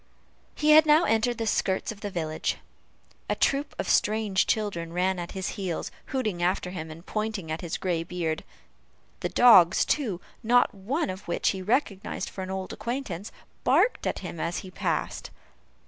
He had now entered the skirts of the village. A troop of strange children ran at his heels, hooting after him, and pointing at his gray beard. The dogs, too, not one of which he recognized for an old acquaintance, barked at him as he passed.